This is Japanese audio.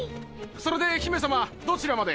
それで姫様どちらまで。